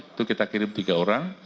itu kita kirim tiga orang